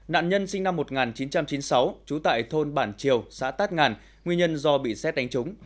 nạn nhân sinh năm một nghìn chín trăm chín mươi sáu trú tại thôn bản triều xã tát ngàn nguyên nhân do bị xét đánh trúng